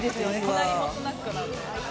隣もスナックなんで」